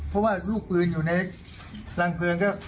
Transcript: อ๋อครับ